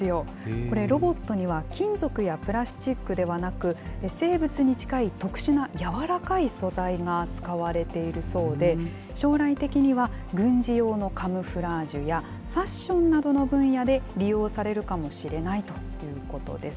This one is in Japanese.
これ、ロボットには、金属やプラスチックではなく、生物に近い特殊な柔らかい素材が使われているそうで、将来的には軍事用のカムフラージュや、ファッションなどの分野で利用されるかもしれないということです。